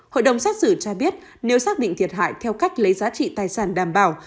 hội đồng xét xử cho biết nếu xác định thiệt hại theo cách lấy giá trị tài sản đảm bảo